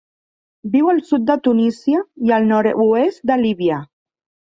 Viu al sud de Tunísia i el nord-oest de Líbia.